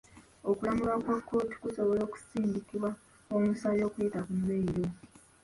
Okulamulwa kwa kkooti kusobola okusindikibwa omusabi okuyita ku meyiro.